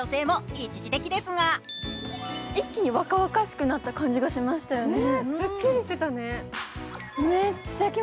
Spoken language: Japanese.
一気に若々しくなった感じがしましたよね。